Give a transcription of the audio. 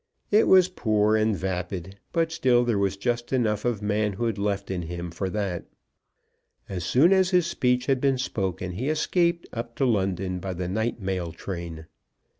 It was poor and vapid; but still there was just enough of manhood left in him for that. As soon as his speech had been spoken he escaped up to London by the night mail train.